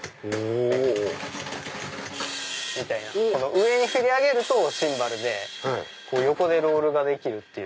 上に振り上げるとシンバルで横でロールができるっていう。